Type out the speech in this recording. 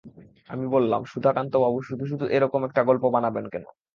আমি বললাম, সুধাকান্তবাবু শুধু-শুধু এ-রকম একটা গল্প বানাবেন কেন?